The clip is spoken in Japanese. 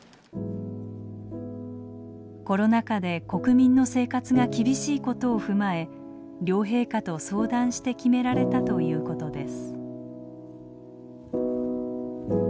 コロナ禍で国民の生活が厳しいことを踏まえ両陛下と相談して決められたということです。